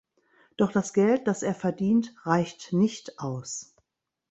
Doch das Geld, das er verdient, reicht nicht aus.